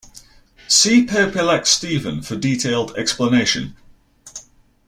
See Pope-elect Stephen for detailed explanation.